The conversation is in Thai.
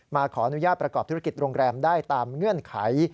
ขออนุญาตประกอบธุรกิจโรงแรมได้ตามเงื่อนไข